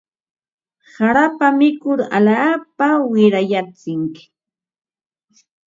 Harata mikur alaapa wirayantsik.